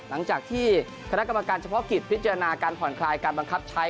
หลังจากที่คณะกรรมการเฉพาะกิจพิจารณาการผ่อนคลายการบังคับใช้